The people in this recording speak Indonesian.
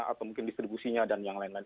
atau mungkin distribusinya dan yang lain lain